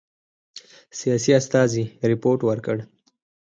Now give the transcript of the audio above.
سیاسي استازي رپوټ ورکړ.